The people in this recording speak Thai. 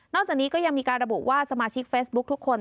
จากนี้ก็ยังมีการระบุว่าสมาชิกเฟซบุ๊คทุกคน